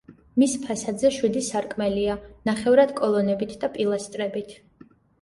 მის ფასადზე შვიდი სარკმელია ნახევრად კოლონებით და პილასტრებით.